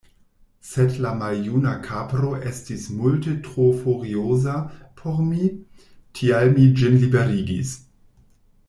Sed la maljuna kapro estis multe tro furioza por mi, tial mi ĝin liberigis.